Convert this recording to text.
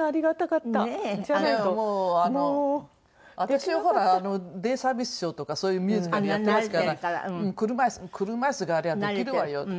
私はほら『デイサービス・ショウ』とかそういうミュージカルやってますから車イス車イスがあればできるわよって。